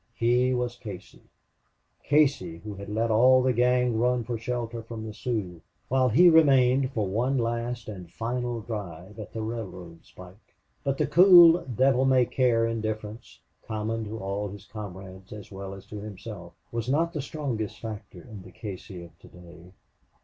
He was Casey Casey who had let all the gang run for shelter from the Sioux while he had remained for one last and final drive at a railroad spike. But the cool, devil may care indifference, common to all his comrades as well as to himself, was not the strongest factor in the Casey of to day.